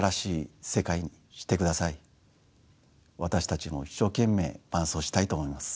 私たちも一生懸命伴走したいと思います。